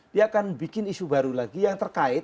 dia akan bikin isu baru lagi yang terkait